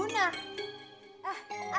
arjuna itu siapa